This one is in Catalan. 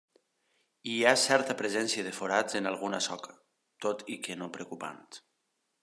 Hi ha certa presència de forats en alguna soca, tot i que no preocupant.